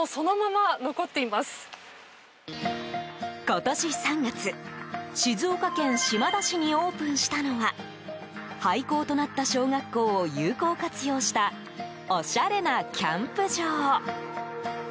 今年３月、静岡県島田市にオープンしたのは廃校となった小学校を有効活用したおしゃれなキャンプ場。